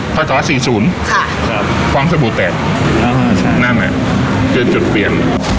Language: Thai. พ่อเกาะ๔๐ความสะบุแตกนั่นเนี่ยเกือบจุดเปลี่ยน